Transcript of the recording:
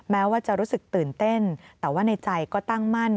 แม้ว่าจะรู้สึกตื่นเต้นแต่ว่าในใจก็ตั้งมั่น